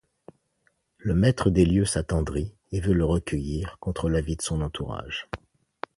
Le maître des lieux s'attendrit et veut le recueillir contre l'avis de son entourage.